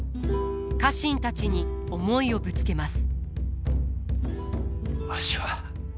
家臣たちに思いをぶつけます。